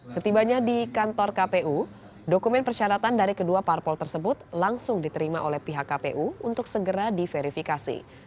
setibanya di kantor kpu dokumen persyaratan dari kedua parpol tersebut langsung diterima oleh pihak kpu untuk segera diverifikasi